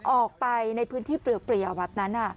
ออกไปในพื้นที่เปลี่ยวแบบนั้น